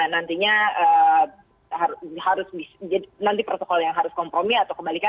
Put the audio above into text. nantinya harus nanti protokol yang harus kompromi atau kebalikan